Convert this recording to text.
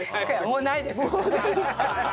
もうないですか。